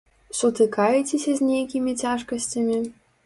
Сутыкаецеся з нейкімі цяжкасцямі?